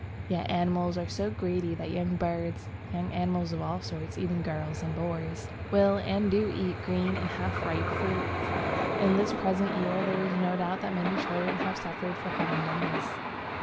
Yet animals are so greedy that young birds, young animals of all sorts (even girls and boys) will and do eat green or half ripe fruit. In this present year there is no doubt that many children have suffered for having done this.